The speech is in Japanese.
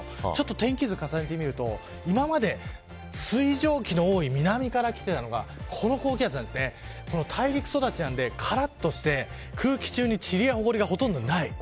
天気図を重ねてみると今まで水蒸気の多い南からきていたのがこの高気圧が大陸育ちでからっとして、空気中にちりやほこりがほとんどない。